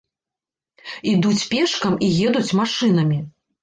Ідуць пешкам і едуць машынамі.